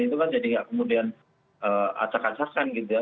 itu kan jadi kemudian acak acakan gitu ya